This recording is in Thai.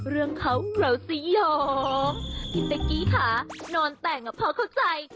เราสิหยอมพี่เต๊กกี้ค่ะนอนแต่งพอเข้าใจ